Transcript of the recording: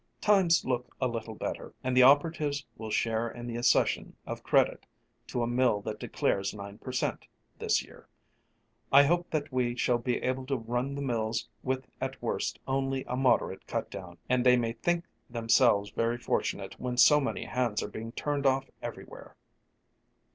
Times look a little better, and the operatives will share in the accession of credit to a mill that declares nine per cent. this year. I hope that we shall be able to run the mills with at worst only a moderate cut down, and they may think themselves very fortunate when so many hands are being turned off everywhere."